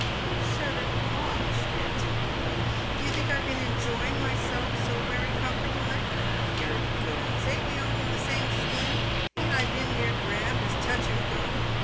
" Who said it washed ?" answered Billy. " Do you think I've been enjoying myself so werry comfortable, eh ? You're good 'uns ! Ain't we all in the same swim? Ain't I been near grabbed as touch and go